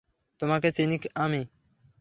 তোমাকে চিনি আমি।